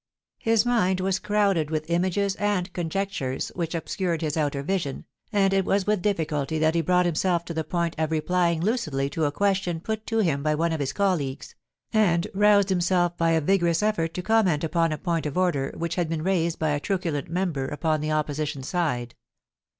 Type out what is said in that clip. His mind was crowded with images and conjectures which obscured his outer vision, and it was with difficulty that he brought himself to the point of replying lucidly to a question put to him by one of his colleagues, and roused himself by a vigorous effort to comment upon a point of order which had been raised by a truculent member upon the Opposition side.